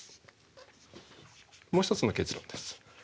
もう一つの結論です。